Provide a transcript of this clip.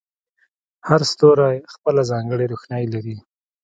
هر ستوری خپله ځانګړې روښنایي لري.